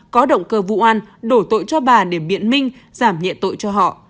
có động cơ vụ an đổ tội cho bà để biện minh giảm nhẹ tội cho họ